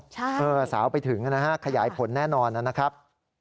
ใช่สาวไปถึงนะฮะขยายผลแน่นอนนะครับ